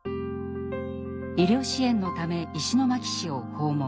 医療支援のため石巻市を訪問。